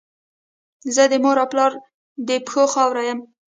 زه د مور او پلار د پښو خاوره یم.